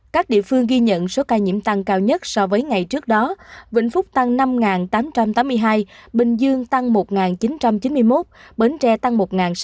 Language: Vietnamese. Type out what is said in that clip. các địa phương ghi nhận số ca nhiễm tăng cao nhất so với ngày trước đó vĩnh phúc tăng năm tám trăm tám mươi hai bình dương tăng một chín trăm chín mươi một bến tre tăng một sáu